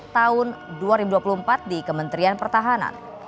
tahun dua ribu dua puluh empat di kementerian pertahanan